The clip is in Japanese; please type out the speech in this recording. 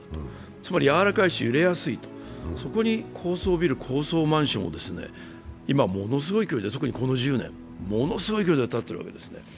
つまり、やわらかいし揺れやすいとそこに高層ビル・高層マンションを今ものすごい勢いで、特にこの１０年建っているわけですね。